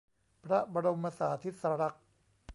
พระบรมสาทิสลักษณ์